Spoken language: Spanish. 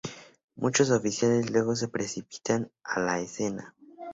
Muchos oficiales luego se precipitan a la escena.